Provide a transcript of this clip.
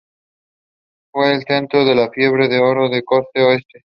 Fue el centro de la fiebre del oro de la Costa Oeste.